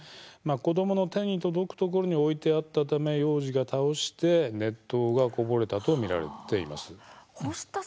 子どもの手に届くところに置いてあったため、幼児が倒して熱湯がこぼれたと見られています。